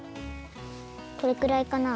これくらいかな？